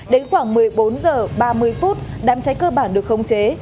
đến khoảng một mươi bốn h ba mươi phút đám cháy cơ bản được khống chế